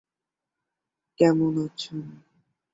ফলিত গণিত ও পদার্থবিদ্যার উপর তিনি অনেক বই লেখেন।